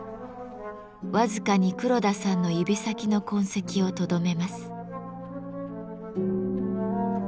僅かに黒田さんの指先の痕跡をとどめます。